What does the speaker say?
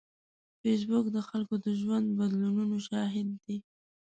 فېسبوک د خلکو د ژوند بدلونونو شاهد دی